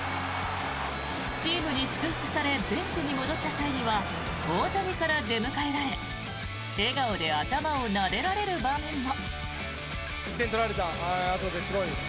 チームに祝福されベンチに戻った際には大谷から出迎えられ笑顔で頭をなでられる場面も。